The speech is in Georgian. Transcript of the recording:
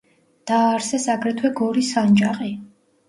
დააარსეს აგრეთვე გორის სანჯაყი.